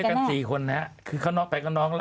ไปด้วยกันสี่คนนะครับคือเขาไปกับน้อง